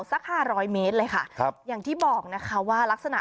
สัก๕๐๐เมตรเลยค่ะอย่างที่บอกนะคะว่า